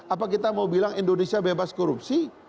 apa kita mau bilang indonesia bebas korupsi